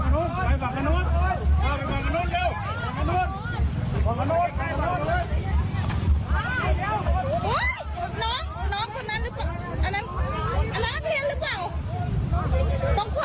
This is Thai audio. น้องน้องคนนั้นหรือเปล่านั่นแล้วเขียนหรือเปล่า